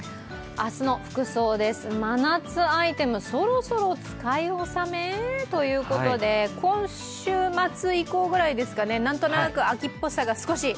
明日の服装です、真夏アイテム、そろそろ使い納め？ということで今週末以降ぐらいですか、なんとなく秋っぽさが。